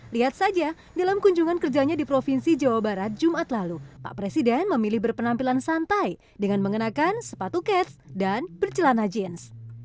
lihat saja dalam kunjungan kerjanya di provinsi jawa barat jumat lalu pak presiden memilih berpenampilan santai dengan mengenakan sepatu cats dan bercelana jeans